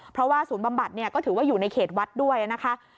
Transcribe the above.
เพราะว่าศูนย์บำบัดเนี่ยก็ถือว่าอยู่ในเขตวัดด้วยนะคะ